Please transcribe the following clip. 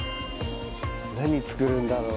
何作るんだろう。